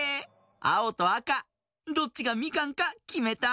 あおとあかどっちがみかんかきめた？